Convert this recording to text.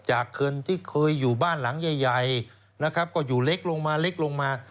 จากคนที่เคยอยู่บ้านหลังใหญ่นะครับก็อยู่เล็กลงมาเล็กลงมา